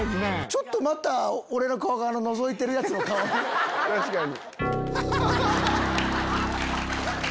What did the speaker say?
ちょっとまた俺の顔がのぞいてるヤツの顔に。